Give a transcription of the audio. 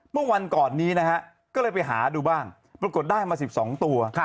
เมื่อวันก่อนนี้นะฮะก็เลยไปหาดูบ้างปรากฏได้มา๑๒ตัว